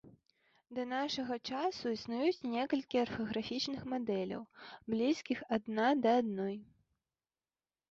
Да нашага часу існуюць некалькі арфаграфічных мадэляў, блізкіх адна да адной.